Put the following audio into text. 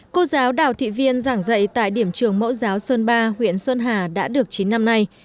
cô giáo đào thị viên giảng dạy tại điểm trường mẫu giáo sơn ba huyện sơn hà đã được chín năm nay